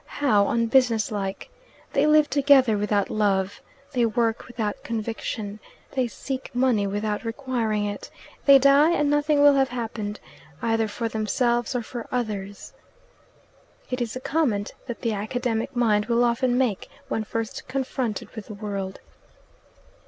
"How unbusiness like! They live together without love. They work without conviction. They seek money without requiring it. They die, and nothing will have happened, either for themselves or for others." It is a comment that the academic mind will often make when first confronted with the world.